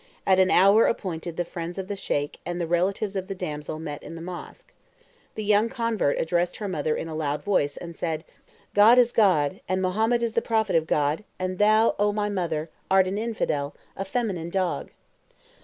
At an hour appointed the friends of the Sheik and the relatives of the damsel met in the mosque. The young convert addressed her mother in a loud voice, and said, "God is God, and Mahomet is the Prophet of God, and thou, oh my mother, art an infidel, feminine dog!"